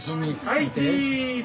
はいチーズ！